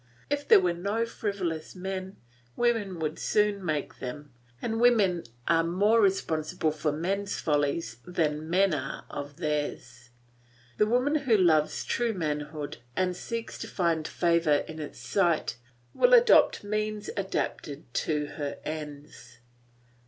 If there were no frivolous men, women would soon make them, and women are more responsible for men's follies than men are for theirs. The woman who loves true manhood and seeks to find favour in its sight will adopt means adapted to her ends.